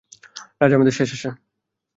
রাজ আমাদের শেষ আশা।